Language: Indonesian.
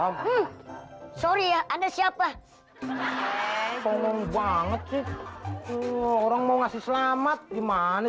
saya nghibur sekarang kau sorry ya anda siapa ngomong banget sih orang mau ngasih selamat gimana